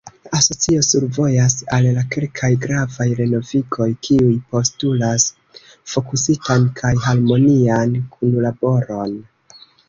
“La Asocio survojas al kelkaj gravaj renovigoj, kiuj postulas fokusitan kaj harmonian kunlaboron.